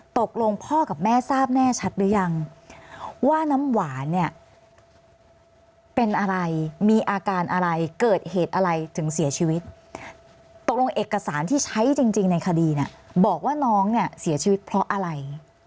ตกลงพ่อกับแม่ทราบแน่ชัดหรือยังว่าน้ำหวานเนี่ยเป็นอะไรมีอาการอะไรเกิดเหตุอะไรถึงเสียชีวิตตกลงเอกสารที่ใช้จริงในคดีเนี่ยบอกว่าน้องเนี่ยเสียชีวิตเพราะอะไร